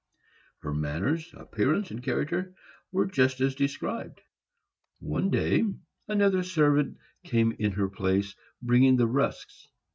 Her manners, appearance and character, were just as described. One day another servant came in her place, bringing the rusks.